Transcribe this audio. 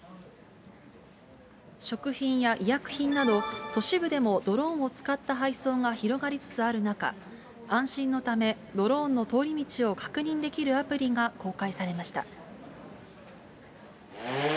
食品や医薬品など、都市部でもドローンを使った配送が広がりつつある中、安心のためドローンの通り道を確認できるアプリが公開されました。